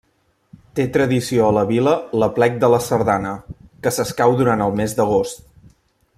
Té tradició a la vila l'aplec de la sardana, que s'escau durant el mes d'agost.